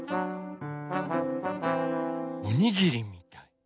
おにぎりみたい。